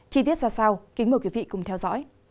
chi tiết ra sau kính mời quý vị cùng theo dõi